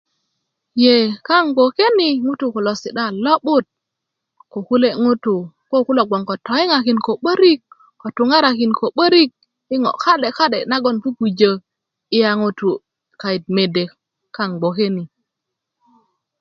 ye kaaŋ gboke ni ŋutuu kulo si'da a lo'but ko kule' ŋutuu ko kulo gboŋ ko toyiŋakin ko 'börik ko tuŋarakin ko 'börik i ŋo' ka'de ka'de nagoŋ pupujö iya ŋutu' kayit mede yu kaaŋ gboke ni